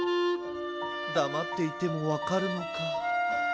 だまっていても分かるのか。